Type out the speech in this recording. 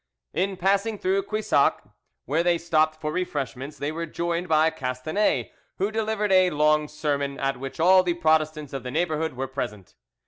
In passing through Quissac, where they stopped for refreshments, they were joined by Castanet who delivered a long sermon, at which all the Protestants of the neighbourhood were present.